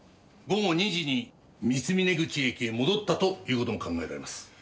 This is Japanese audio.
午後２時に三峰口駅へ戻ったという事も考えられます。